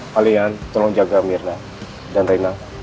kalian tolong jaga mirna dan rena